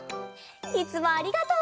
いつもありがとう！